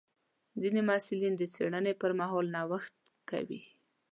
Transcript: ځینې محصلین د څېړنې پر مهال نوښتونه کوي.